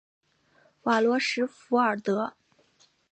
瓦罗什弗尔德。